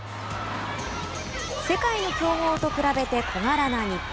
世界の強豪と比べて小柄な日本。